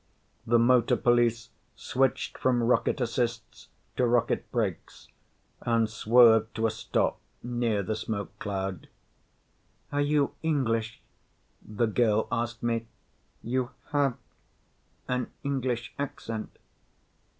The motor police switched from rocket assists to rocket brakes and swerved to a stop near the smoke cloud. "Are you English?" the girl asked me. "You have an English accent."